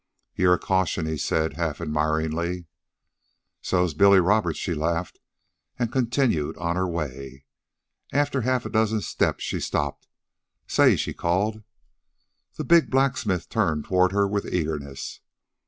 "You're a caution," he said, half admiringly. "So's Billy Roberts," she laughed, and continued on her way. After half a dozen steps she stopped. "Say," she called. The big blacksmith turned toward her with eagerness.